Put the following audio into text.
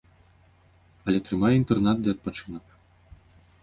Але трымае інтэрнат ды адпачынак.